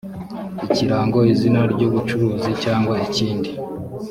ikirango izina ry ubucuruzi cyangwa ikindi